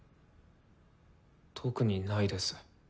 特にないです。